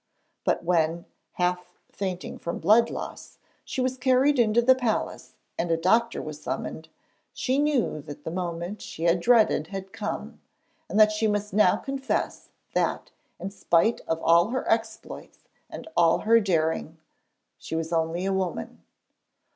But when, half fainting from loss of blood, she was carried into the palace and a doctor was summoned, she knew that the moment she had dreaded had come, and that she must now confess that, in spite of all her exploits and all her daring, she was only a woman.